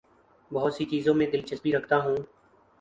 بہت سی چیزوں میں دلچسپی رکھتا ہوں